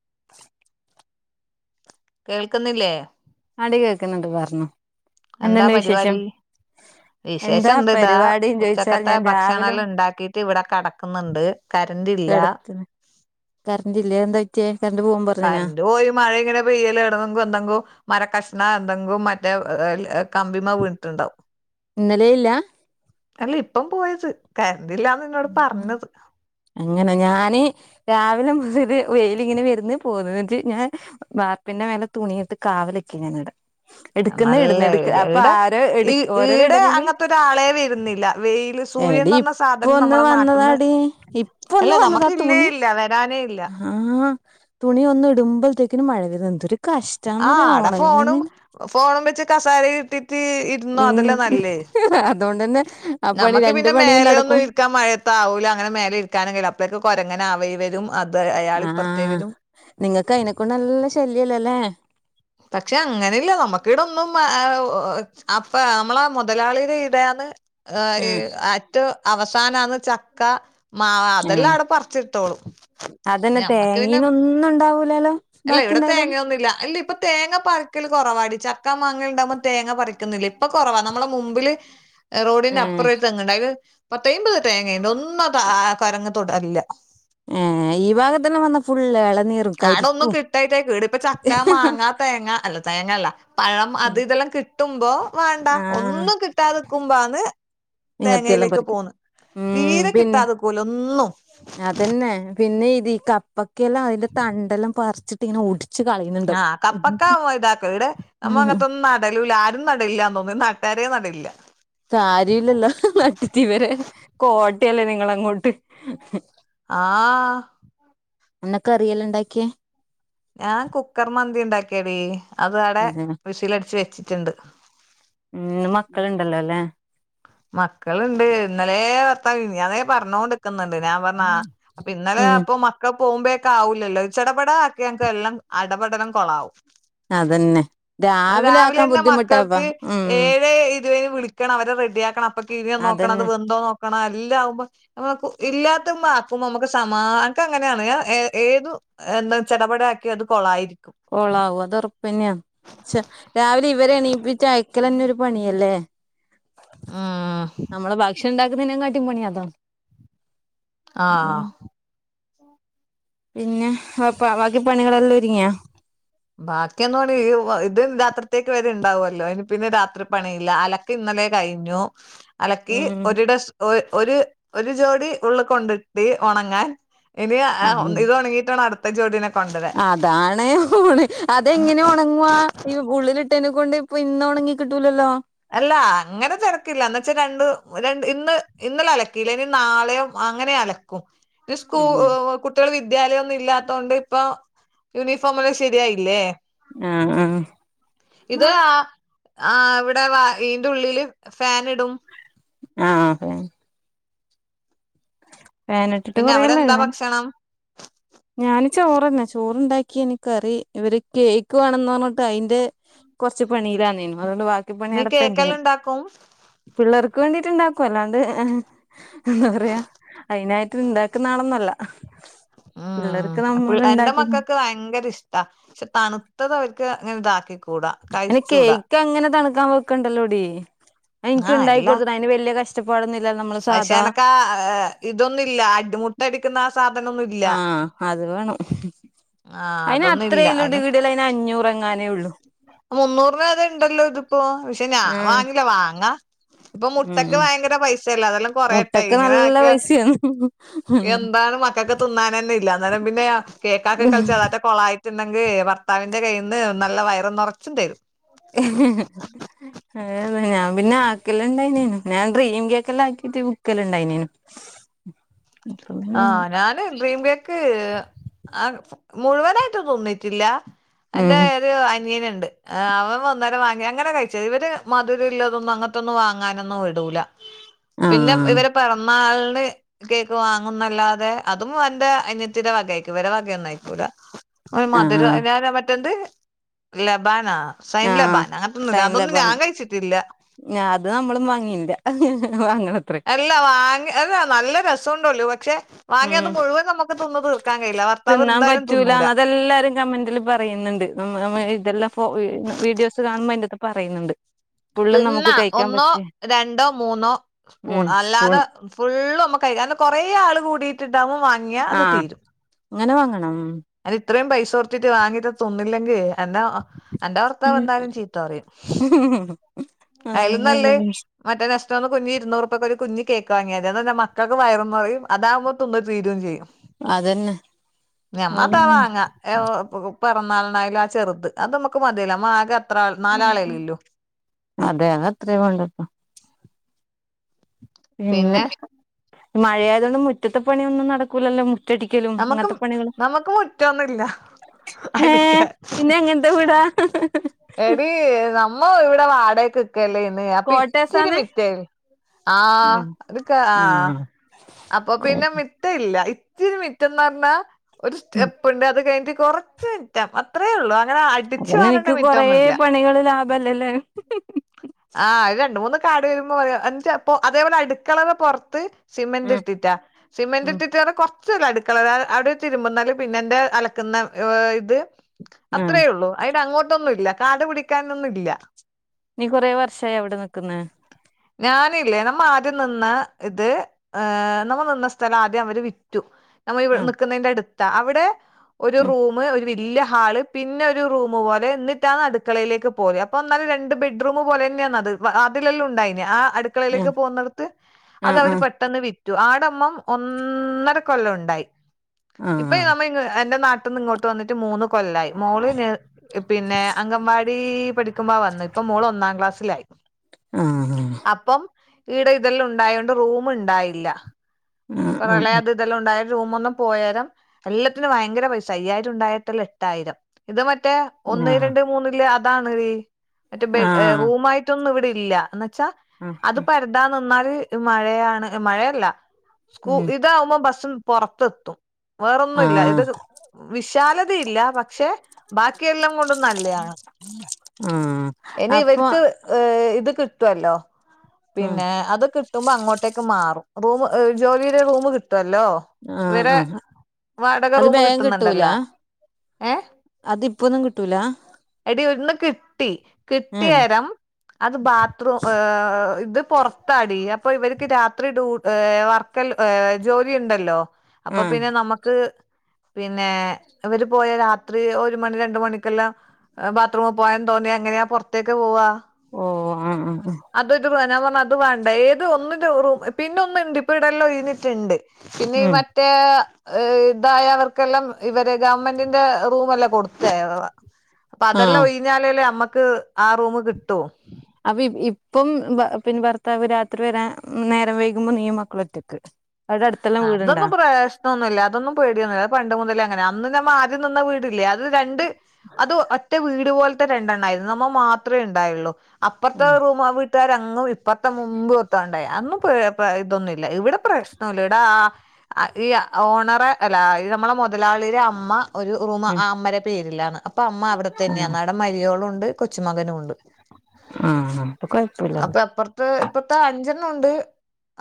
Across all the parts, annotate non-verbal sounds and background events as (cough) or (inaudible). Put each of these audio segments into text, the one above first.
(inaudible) കേൾക്കുന്നില്ലേ ആടി കേൾക്ക്‌ന്ന്ണ്ട് പറഞ്ഞോ എന്തുണ്ട് വിശേഷം എന്താപരിവാടി എന്താ വിശേഷം ണ്ട് താ പരിപാടിന്ന് ചോദിച്ചാൽ ഉച്ചക്കത്തെ ഞാൻ രാവിലെ ഭക്ഷണെല്ല ഇണ്ടാക്കീട്ട് ഇവടെ കടക്ക്‌ന്ന്ണ്ട്. കെടന്ന്ക്ക്‌ന്ന് കരണ്ട്ല്ലേ അഎന്താറ്റിയേ കര്ന്റ് പോകുമ്പ കര്ന്റ് പോയി മഴഇങ്ങനെ പെയ്യല് എവടന്നെങ്കോ എന്തെങ്കോ മരക്കഷ്ണാ എന്തെങ്കുമറ്റേ ഏഹ് കമ്പിമ്മെ വീണ് ട്ട് ണ്ടാവും. ഇന്നെലേയ്ല്ല അല്ലേഇപ്പം പോയത് കര്ന്റ്ല്ലാന്നിന്നോട് പറഞ്ഞത്. അങ്ങനെ ഞാന് രാവിലെ മുതല് വെയ്ല്ങ്ങനെവെര്ന്ന് പോവ്ന്ന് ന്നിൻച്ച് ഞാൻ വാർപ്പിന്റെമേലെ തുണിയിട്ട് കാവല്ക്കെയ്നി ഞാനവിടെ അ ന്നല്ല ഐഡിയെ ഈടെ എടു ഇ ഓരോരോ ഈടെ ഇടലിലും അങ്ങൻത്തൊര്ആളെ വെര്ന്നില്ല വെയ്ല് എടി ഇപ്പൊ സൂര്യൻന്നറ്ഞ്ഞസാധനം ഒന്ന് നമ്മളെ നാട്ട്ന്ന് വന്നതാടി ഇപ്പൊ അല്ല ഒന്ന് വന്നതാ നമ്മക്ക്ഇല്ലേ തുണി ഇല്ല വരാനേയില്ല. ആഹ് തുണിയൊന്ന്ഇട്മ്പൽത്തെക്കിന് മഴ വെരും എന്തൊര് കഷ്ട്ടാ ആഹ് അടെ ഫോണും ഫോണുംവെച്ച് കസാരീയ് ഇരുതീട്ട് ഇര്ന്നോ അതെല്ലേന്നല്ലേ. (unintelligible) അതോണ്ടെന്നെ. നമ്മക്ക് പിന്നെ മേലെയൊന്നും ഇര്ക്കാൻ മഴയത്താവൂല അങ്ങനെ മേലെ ഇര്ക്കാനും കയിയില്ല അപ്പ്ളേക്ക്‌ കൊരങ്ങൻ ആ വഴിവെരും. അതേ അയ് ആഹ് നിങ്ങക്ക് അയിനെക്കൊണ്ട് നല്ലെ ശല്യല്ലല്ലേ പക്ഷെഅങ്ങനില്ല നമ്മുക്കിവിടെന്നുംആഹ് അഹ് ഊ ഊ ഊഇ അപ്പെ നമ്മളെ മൊതലാളിടെ ഈടെയാന്ന് ഏഹ് ഈ ഉം ആറ്റോം അവസാന്ന്ചക്ക മാവാ അതെല്ലാം അടെപറിച്ച്ട്ടോളും അതെന്നെ തേങ്ങീന്നൊന്നും ഇണ്ടാവൂലല്ലോ അല്ലഇവിടെ തേങ്ങയൊന്നുല്ല അല്ലി ഇപ്പൊ തേങ്ങപറിക്കൽ കൊറവാടി ചക്കാ മാങ്ങ ഇണ്ടാവുമ്പോ തേങ്ങപറി ക്ക്‌ന്നില്ലെ ഇപ്പകൊറവാ നമ്മുളെ മുമ്പില്റോഡിന്റെ ഉം അപ്പുറെ ഒര്തെങ്ങുണ്ട് അയ്ല് പത്തയ്മ്പത് തേങ്ങയിണ്ട് ഒന്നുംഅത് ആ കൊരങ്ങ് തൊടലില്ല. ഏഹ് ഈഭാഗത്ത്ന്ന് വന്ന്ഫുള്ള്എളനീർ ആടൊന്നും കിട്ടായിട്ടായ്ക്കും ഈട്പ്പോ ചക്ക, മാങ്ങ തേങ്ങഅല്ല തേങ്ങല്ല ഉം പഴംഅത് ഇതെല്ലാം കിട്ടുമ്പോ വാണ്ട ആഹ് ഒന്നും കിട്ടാതെ ക്കുമ്പാന്ന് ഇങ്ങത്തിയെല്ലാം തേങ്ങയിലേക്ക് പറിക്കും പോന്ന് തീരെ കിട്ടാതെക്കൂല ഒന്നും അതെന്നെ പിന്നെ ഇത് ഈ കപ്പക്കെല്ലാം അയ്ന്റെ തണ്ടെല്ലാം പറിച്ചിട്ട് ഇങ്ങനാ ഒടി ആഹ് കപ്പക്ക വ ഇതാക്കും ഇടെ നമ്മ ഉം അങ്ങനത്തൊന്നും ന ടലുല്ല ആരും നടലില്ലാന്ന് തോന്നണ് നട്ടരേ നടലില്ല കാര്യില്ലല്ലോ നട്ടിട്ടിവരെ കോട്ടയല്ലേ നിങ്ങള് അങ്ങോട്ട് ആഹ് എന്ന കറിയല്ല ഇണ്ടാക്കിയേ ഞാൻ കുക്കർ മന്തി ഇണ്ടാക്കിയേടീ അത് അവിടെ അതെ വിസിൽ അടിച്ച് വെച്ചിട്ടുണ്ട് ഇന്ന് മക്കളുണ്ടല്ലോലേ മക്കളിണ്ട് ഇന്നലെ വർത്താ മിനിഞ്ഞാന്നേ പറഞ്ഞോണ്ട് നിക്ക്ന്ന്ണ്ട് ഞാൻ പറഞ്ഞ ആഹ് അപ്പൊ ഇന്നലെ ഉം അപ്പൊ മ ഒക്കെ പോകുമ്പോക്കെ ആവൂല്ലല്ലോ ചടപട ആക്കിയാ എൻക്ക് എല്ലാം അടപടലം കൊളാവും അതന്നെ രാവിലെ ആക്കാൻ രാവിലെന്നെ ബുദ്ധിമുട്ടാപ്പാ മക്കൾക്ക് ഉം ഏഴേ ഇരുവതിന് വിളി ക്കണം അവരെ റെഡിയാക്കണം അപ്പൊ കിഞ്ഞോ നോക്കണം അത് അതന്നെ വെന്തോ നോക്കണം എല്ലാവുമ്പ നമക്ക് ഇല്ലാത്ത്മ്മാക്കുമ്മ നമ്മുക്ക് സമാ ഇൻക്ക് അങ്ങനെയാണ് ഞാൻ ഏഹ് ഏത് എന്ന ചടപട ആക്കിയ അത് കൊളായിരിക്കും കോളാവും അത് ഒറപ്പെന്നയാ ചെ രാവിലെ ഇവരെ എണീപ്പിച്ച് അയക്കലന്ന ഒരു പണിയല്ലേ ഉം നമ്മള് ഭക്ഷണം ഇണ്ടാക്കുന്നതിനെകാട്ടിം പണി അതാണ് ആഹ് ഉം പിന്നെ അപ്പ ബാക്കി പണികളെല്ലാ ഒരുങ്ങിയാ ബാക്കിയെന്ന് പണി ഈ ഇത് രാത്രിത്തേക്ക് വരെ ഇണ്ടാവല്ലോ അതിന് പിന്നെ രാത്രി പണിയില്ല അല ക്ക് ഇന്നലെ കയിഞ്ഞു അലക്കി ഉം ഒരു ഡസ് ഒ ഒരു ഒരു ജോഡി ഉള്ള് കൊണ്ടിട്ട് ഒണങ്ങാൻ ഇനി ഇത് ഒണങ്ങിയിട്ട് വേണം അടുത്ത ജോഡിനെ കൊണ്ടരാൻ (unintelligible) പോണേ അതെങ്ങനെ ഒണങ്ങുവാ ഈ ഉള്ളിലിട്ടേനെ കൊണ്ട് ഇപ്പ ഇന്ന് ഒണങ്ങി കിട്ടൂലല്ലോ അല്ല അങ്ങനെ തെരക്കില്ല എന്നച്ചാ രണ്ട് ര ഇന്ന് ഇന്നലെ അലക്കിയില്ലേ ഇനി നാളെയോ അങ്ങനെ അല ക്കും ഇനി സ്കൂ ഉം കു ട്ട്യാള് വിദ്യാലയൊന്നും ഇല്ലാത്തോണ്ട് ഇപ്പൊ യൂണിഫോം ഒക്കേ ശരിയായില്ലേ ആഹ് ആഹ് ഇത് ആ ആ അവിടെ വ ഇന്റെ ഉള്ളില് ഫാൻ ഇടും ആഹ് ഫാൻ ഫാൻ ഇട്ടിട്ട് പിന്നെ കുറേ അവിടെ ഇല്ലേ എന്താ (unintelligible) ഭക്ഷണം ഞാന് ചോറന്നെ ചോറുണ്ടാക്കി ഇനി കറി ഇവര് കേക്ക് വേണംന്ന് പറഞ്ഞിട്ട് അയിന്റെ കൊറച്ച് പണിയിലാന്നെ അതുകൊണ്ട് ബാക്കി പണി നീ അവിടെ പെന്റിങ് കേക്കെല്ലാം ഉണ്ടാക്കും പിള്ളേർക്ക് വേണ്ടിട്ട് ഇണ്ടാക്കും അല്ലാണ്ട് എന്താ പറയാ അയിനായിട്ട് ഇണ്ടാക്കുന്ന ആളൊന്നല്ല ഉം പിള്ളേർക്ക് അപ്പ നമ്മൾ എന്റെ ഇണ്ടാക്കി മക്കക്ക് ഭയങ്കര ഇഷ് ട പക്ഷ തണുത്തത് അവർക്ക് അങ്ങനെ ഇതാക്കി കൂടാ അയിന് കേക്ക് അങ്ങനെ തണുക്കാൻ വെക്കണ്ടല്ലോടി അയിന്ക്ക് ആഹ് ഇണ്ടാക്കി അല്ല കൊടുത്ത്ട അതിന് വല്യ കഷ് ടപാടൊന്നില്ല നമ്മള് പക്ഷെ സാധാ എനക്ക് ആ ഇതൊന്നുല്ല അടി മുട്ട അടിക്കുന്ന ആ സാധനൊന്നുല്ല ആഹ് അത് വേണം ആഹ് അയിന് അതൊന്നും ഇല്ല അത്രേയിള്ളൂ ടീ അത് ഇവിടെല്ല അതിന് അഞ്ഞൂറ് എങ്ങാനേ ഉള്ളൂ മുന്നൂറിന് അത് ഇണ്ടല്ലോ ഇതിപ്പോ പഷേ ഞാന് ആഹ് വാങ്ങില്ല വാങ്ങാ ഇപ്പ ഉം മുട്ടക്ക് ഭയങ്കര പൈസയല്ലേ അതെല്ലാം കൊറയട്ടെ മുട്ടക്ക് ഇങ്ങനെ നല്ല ആക്ക പൈസയാണ് ഉം എന്താണ് മക്കക്ക് തിന്നാൻ തന്നെ ഇല്ല അന്നേരം പിന്നെ കേക്കാക്കി കളിച്ച് അതെറ്റം കൊളായിട്ടുണ്ടെങ്കി ഭർത്താവിന്റെ കയ്യിന്ന് നല്ല വയറും നെറച്ചും തരും ഏഹ് ഞാൻ പിന്നെ ആക്കല് ഇണ്ടായിനി ഞാൻ ഡ്രീം കേക്കെല്ലാം ആക്കിട്ട് വിക്കെല് ഇണ്ടായിനെനു (inaudible) ആ ഞാന് ഡ്രീം കേക്ക് ആ മുഴുവനായിട്ട് തിന്നിട്ടില്ല. എന്റെ ഉം ഒരു അനിയന് ഇണ്ട് അവൻ വന്നേരം വാങ്ങി അങ്ങനെ കഴിച്ചത് ഇവര് മധുരമല്ലതൊന്നും അങ്ങനത്തൊന്നും വാങ്ങാനൊന്നും വിടൂല. പിന്നെ ആഹ് ഇവര് പിറന്നാളിന് കേക്ക്‌ വാങ് ഒന്നല്ലാതെ അതും എന്റെ അനിയത്തിടെ വക ആയിരിക്കും, ഇത്‌ വരെ വക ഒന്നും ആയിക്കൂല. ഒരു ആഹ് മധുര ആഹ് ഞന മറ്റെത് ലബാനാ ആഹ് സൈൻലബാൻ അങ്ങനത്തൊന്നുമില്ല അതൊന്നും ഞാൻ കഴിച്ചിട്ടില്ല. ഞാത് നമ്മളും വാങ്ങില്ല വാങ്ങണത്രേ. അല്ല വാങ്ങി അല്ലാ നല്ല രസം ഉണ്ടള്ളു പക്ഷെ വാങ്ങി അത് ഉം മുഴുവൻ നമുക്ക് തിന്ന് തീർക്കാൻ കഴയില്ല ഭർത്താവ് എന്തായാലും തിന്നൂല. കമന്റിൽ പറയുന്നുണ്ട് മ് വ്ഇതെല്ലാം വീഡിയോസ് കാണുമ്പോൾ അതിന്റാത്ത് പറയുന്നുണ്ട്. ഫുള്ള് നമുക്ക് തിന്നാ കഴിക്കാൻ ഒന്നോ പറ്റേ രണ്ടോ മൂന്നോ സ്പൂൺ ഉം സ്പൂൺ അല്ലാതെ ഫുള്ള് നമ്മക്ക് കഴിക്ക, കൊറെേ ആള് കൂടിട്ട് ഇണ്ടാവുമ്പോ വാങ്ങിയാ അത് ആഹ് തീരും. അങ്ങനെ വാങ്ങണം അത് ഇത്രയും പൈസ കൊടുത്തിട്ട് വാങ്ങീട്ട് തിന്നില്ലെങ്കിയേ എന്റെ, എന്റെ ഭർത്താവ് എന്തായാലും ചീത്ത പറയും. അയില് അതന്നെ നല്ലേ മറ്റേ റസ്റ്റോറന്റിപൊയി ഇരുന്നൂറു രൂപക്ക് ഒരു കുഞ്ഞ് കേക്ക് വാങ്ങി, അതാണ് മക്കൾക്ക് വയറ്ന്നറയും അതാവുമ്പോ തിന്നി തീരയും ചെയ്യും. അതന്നെ ഞമ്മതാവാങ്ങ പെറന്നാളിന് ആയാലും ആ ചെറുത് അത് നമുക്ക് മതിയല്ലോ നമാകെ അത്ര നാലാളല്ലുല്ലു അതെ അതത്രേയേവേണ്ടൂ. പിന്നെ മഴയതൊണ്ട് മുറ്റത്തെ പണിയൊന്നും നടക്കൂലല്ലോ നമു മുറ്റടിക്കലും നമുക്ക് അങ്ങനത്തെ പണികളും നമുക്ക് മുറ്റൊന്നുല്ല ഏഹ് അടിക്കാൻ പിന്നെ എങ്ങനത്തെ വീടാ.? എടി നമ്മ ഇവിടെ വാടകയ്ക്ക് ല്ലേന്ന് അപ്പൊ ഇച്ചിരി കോട്ടേസാന്നെ മിറ്റേ ആഹ് ഉം അതക്കെ ആ.. അപ്പൊ പിന്നെമിറ്റ് മിറ്റ ഇല്ല ഇച്ചിരി മിറ്റന്ന് പറഞ്ഞാ ഒരു ഉം സ്റ്റെപ്പുണ്ട് അത് കഴിഞ്ഞിട്ട് കൊറച്ച് റ്റം അത്രേള്ളൂ അങ്ങനെ അടിച്ചു അതന്നെ എനിക്ക് വരേണ്ടമി കൊറേ പണികള് ലാഭല്ലല്ലേ? ആഹ് ഒരു രണ്ട് മൂന്ന് കാട് വരുമ്പോ പറയാ ചെപ്പൊ അതേപോലെ അടുക്കളയുടെ പൊറത്ത് സിമന്റ് ഉം ഇട്ടിട്ട. സിമെന്റ് ഉം ഇട്ടിട്ട് കുറച്ചുള് അടുക്കള അവിടെ ഇരുമ്പന്നാല് പിന്നെ എന്റെ അലക്കുന്ന ഇത് ആ അത്രേ ഉള്ളൂ, അയിന് അങ്ങോട്ടൊന്നും ഇല്ല കാടു പിടിക്കാനൊന്നും ഇല്ല. നീ കുറേ വർഷ ആയോ അവിടെ നിക്കുന്നെ? ഞാനില്ലേ നമ്മ ആദ്യം നിന്ന ഇത് നമ്മ നിന്ന സ്ഥലം ആദ്യം അവര് വിറ്റു. നമ്മവിടെ ആ നിക്കുന്നതിന്റെ അടുത്ത അവിടെ ഒരു ഉം റൂമ് ഒരു ഇല്ല ഹാള് പിന്നെ ഒരു റൂം പോലെ എന്നിട്ടാണ് അടുക്കളയിലേക്ക് പോയ അപ്പോ എന്നാലും രണ്ട് ബെഡ്റൂമു പോലെ തന്നെയാണ് അത് അതിലെല്ലാം ഉണ്ടായിന് ആഹ് അ ഉം അടുക്കളയിലേക്ക് പോകുന്നിടത്ത് ആ അത് ആ അവര് പെട്ടെന്ന് വി റ്റു ആടമ്മംഒന്നര കൊല്ലം ഉണ്ടായി, ആ ആ ഇപ്പ നമ്മ എന്റെ നാട്ടിൽന്ന് ഇങ്ങോട്ട് വന്നിട്ട് മൂന്ന് കൊല്ലായി മോള് പിന്നെ അങ്കൻവാടി പഠിക്കുമ്പോ വന്നു. ഇപ്പംമോള് ഒന്നാം ക്ലാസിലായി ആ ആ അപ്പം ഈടെ ഇതെല്ലാം ഉണ്ടായോണ്ട് റൂം ഉണ്ടായില്ല, പ്രളയത് ഇതെല്ലാം ഉണ്ടായ റൂമ് ഒന്നും പോയാരം എല്ലാത്തിനും ഭയങ്കര പൈസ അയ്യായിരം ഉണ്ടായിരത്തില്ല എട്ടായിരം ഇത് മറ്റേ ഒന്ന് ആ രണ്ട് മൂന്നിലേ അതാണ് മറ്റേ ആ ബഡ്, റും ആയിട്ടൊന്നും ഇവിടെ ഇല്ല എന്നന്ന് വച്ചാ ആ അത് പര ഇടാ നിന്നാല് മഴയാണ്, മഴയല്ല സ്കൂ ഉം ഇതാവുമ്പോ ബസ്സും പുറത്തെ എത്തും. ആ വേറൊന്നുല്ല, ഇത് വിശാലതയില്ല. പക്ഷെ, ബാക്കിയെല്ലാം കൊണ്ടും നല്ലയാണ്. ആ ഇനി അപ്പൊ ഇവർക്ക് ഏഹ് ഇത് കിട്ടുല്ലോ. ഉം പിന്നെ അത് കി കിട്ടുമ്പോ അങ്ങോട്ടേക്ക് മാറും. Room ജോലിടെ room കിട്ടൊല്ലോ. ആഹ് ഇവരെ ആഹ് വാടക അത് റൂമ് ബേഗം കിട്ടൂല കിട്ടുന്നുണ്ടല്ല. അത് പ്പോന്നും കിട്ടൂല ആഹ്. എടി ഒന്ന് കിട്ടി. ഉം കിട്ടിയേരം അത് ബാത്റൂം ഏഹ് ഇത് പോറത്താടി. അപ്പൊ ഇവർക്ക് രാത്രി ഡ്യൂ ഏഹ് വർ കൽ ഏഹ് ജോലി ഉണ്ടല്ലോ. അപ്പൊ ആഹ് പിന്നെ നമുക്ക്, പിന്നെ ഇവര് പോയ രാത്രി ഒരു മണി രണ്ട് മണിക്കെല്ലാം, ബാത്റൂമിൽ പോവാൻ തോന്നിയാ, എങ്ങനെയാ പുറത്തേക്ക് പോവാ. ഓ ആഹ ആ ആ. അത ഇതു വേനാ പറഞ്ഞ്. ഞാ പറഞ്ഞ അത് വേണ്ട. ഏത് ഒന്നിന്റെ റൂം പിന്നെ ഒന്നു ഉണ്ട്, ഇപ്പ ഇവിടെല്ലാം ഒഴിഞ്ഞിട്ടുണ്ട്. പിന്നെ ഈ ഉം മറ്റേ, ഏഹ് ഇതായവർക്കെല്ലാം ഇവര് ഗവൺമെന്റിന്റെ റൂമെല്ലാം കൊടുത്തേ വാ. അപ്പ അതെല്ലാം ആഹ് ഒഴിഞ്ഞാലല്ലേ നമ്മക്ക് ആ റൂമ് കിട്ടൂ. അപ്പ ഇപ്പം, പിന്നെ ഭർത്താവ് രാത്രി വരാൻ നേരം വൈകുമ്പോ നീയും മക്കളും ഒറ്റക്ക്. അവിടെ അടുത്തെല്ലാം വീടുണ്ടാ അതൊന്നും പ്രശ് ന്നുല്ല. അതൊന്നും പേടിയൊന്നുല്ല. അഹ് പണ്ട് മുതലേ അങ്ങന. അന്നു ഞമ്മ ആദ്യം നിന്ന വീടില്ലേ അത് രണ്ട്, അത് ഒറ്റ വീട് പോലത്തെ രണ്ടെണ്ണ ആരുന്നു. നമ്മ മാത്രേ ഉണ്ടായള്ളൂ. അപ്പുറത്തെ ഉം റൂം അ വി ട്ടുകാര അങ്ങും ഇപ്പത്തെ മുമ്പ് ഒത്താണ്ടായി. അന്നും ഇതൊന്നുമില്ല. ഇവിടെ പ്രശ്നംല്ല. അ ഇ ഓണറേ അല്ല നമ്മളെ മുതലാളിടെ അമ്മ അമ്മ ഒരു റൂം ഉം ആ അമ്മടെ പേരിലാണ്. അപ്പൊ അമ്മ അവിടെ ആഹ് തന്നെയാന്ന് അവ മരിയോളും ണ്ട് കൊച്ചുമകനും ണ്ട്. ആഹ് അപ്പൊ അപ്പ കൊഴപ്പല്ലാലോ അപ്പറ ത്ത് ഇപ്പത്തെ അഞ്ചെണ്ണം ഉണ്ട്.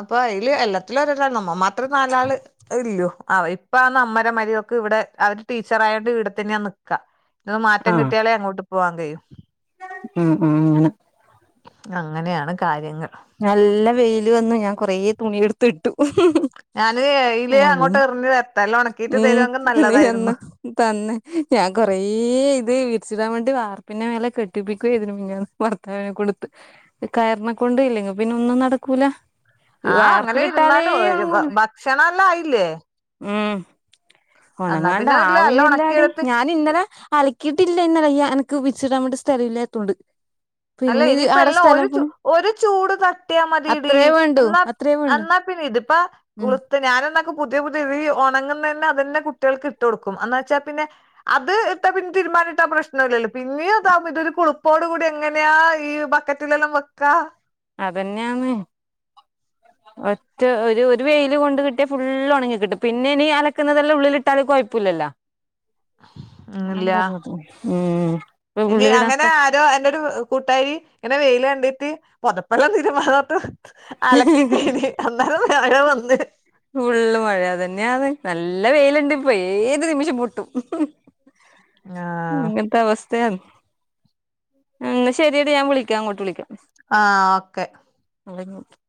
അപ്പൊ അതില് എല്ലാത്തിലും ഒരെണ്ണം. നമ്മ മാത്രം നാലാള്. ഇല്ലോ. ആ ഇപ്പ അന്ന് അമ്മരെ മരിയോക്ക് ഇവിടെ അവര് ടീച്ചറ് ആയോണ്ട് ഇടെ തന്നെയാ നി ക്കാ. ന്ന് മാറ്റം ആഹ് കിട്ടിയാലേ അങ്ങോട്ട് പോവാൻ കഴിയൂ. ഉം ഉം അങ്ങനെ. അങ്ങനെയാണ് കാര്യങ്ങൾ. നല്ല വെയില് വന്നു, ഞാൻ കൊറേ തുണി എടുത്ത് ഇട്ടു. ഞാന് ഇയില് അങ്ങോട്ട് എറിഞ്ഞ് തരട്ടെ. എല്ലോ ഉണക്കീയിട്ട് തരുങ്കിൽ നല്ലതായിരുന്നു. തന്നെ. ഞാൻ കൊറേ ഇത് വിരിച്ചിടാൻ വേണ്ടി വാർപ്പിന്റെ മേലെ കെട്ടിപ്പിക്കുവ ഇതിന് മുന്നേ. ഭർത്താവിനെ കൊടുത്ത്. കയറിനെ കൊണ്ട് ഇല്ലെങ്കി പിന്നെ ഒന്നും നടക്കൂല. ആഹ അങ്ങനെ വാർപ്പിലിട്ടാലേ ഇരുന്നാലും ഒരു ഒണങ്ങൂല ഭക്ഷണം എല്ലാം ആയില്ലേ? ഉം എന്നാ ഉണങ്ങാണ്ട പിന്നെ ഇല്ല എല്ലാം ആവുന്നില്ലാടി. ഉണക്കിയെടുത്ത് ഞാൻ ഇന്നലെ അലക്കിട്ടില്ല, ഇന്നലെ അനക്ക് വിരിച്ചിടാൻ വേണ്ടി സ്ഥലല്ലാത്തോണ്ട്. അല്ലേ ഇനിയിപ്പ എല്ലാം ഒരു ചൂ ഒരു ചൂട് തട്ടിയാ മതിടി. അത്രേ വേണ്ടു എന്നാ അത്രേ വേണ്ടു എന്നാ പിന്ന ഇതിപ്പ ഉം കുള ഇപ്പ ഞാൻ എന്നാക്കും പുതിയ പുതിയ ഈ ഉണങ്ങുന്ന തന്നെ അതന്നെ കുട്ടികൾക്ക് ഇട്ട് കൊടുക്കും. എന്നാ വെച്ചാൽ പിന്നെ, അത് ഇട്ട പിന്ന തീരുമ്പാനിട്ടാ പ്രശ്നല്ലല്ലോ. പിന്നെതാവുമ്പോ ഇതോരു കുളുപ്പോട് കൂടി ഇങ്ങനെ, ങ്ങനെയാ ഈ ബക്കറ്റിലെല്ലാം വെക്കാ. അതന്നെയാന്നെ. ഒറ്റ ഒരു വെയില് കൊണ്ട് കിട്ടിയാ ഫുള് ഉണങ്ങി കിട്ടും. പിന്നെ ഇനി അലക്കുന്നതല്ലാം ഉള്ളിൽ ഇട്ടാലും കുഴപ്പുല്ലല്ലോ. ഞാൻ പർഞ്ഞതും ഉം. ഇപ്പൊ എന്നി ഉള്ളിലിടാൻ അങ്ങനെ സ്ഥ ആ എ എന്റെ ഒരു കൂട്ടാരി ഇങ്ങനെ വെയിൽ കണ്ടിട്ട് പൊതപ്പല്ലാം തീരുമാനോർത്തു, അലക്കി കഴിഞ്ഞ് അന്നേരം മഴ വന്ന്. ഫുള്ള് മഴ. അതന്നെയാന്ന് നല്ല വെയിലുണ്ട് ഇപ്പ ഏത് നിമിഷം പൊട്ടും. ആഹ് ഇങ്ങൻത്തെ അവസ് അ ന്നാ ശരിയടി ഞാൻ വിളിക്കാം അങ്ങോട്ട് വിളിക്കാം ആഹ ഓക്കെ (unintelligible)